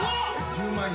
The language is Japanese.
１０万円。